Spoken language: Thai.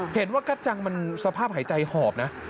เห็นว่ากัดจังมันสภาพหายใจหอบนะ